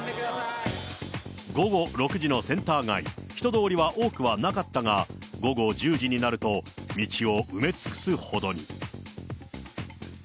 午後６時のセンター街、人通りは多くはなかったが、午後１０時になると、道を埋め尽くすほどに。